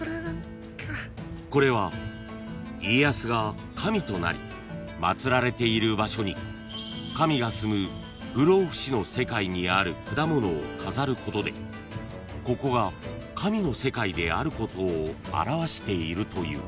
［これは家康が神となり祭られている場所に神がすむ不老不死の世界にある果物を飾ることでここが神の世界であることを表しているという］